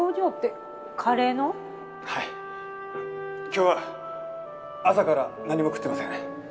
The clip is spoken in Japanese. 今日は朝から何も食ってません。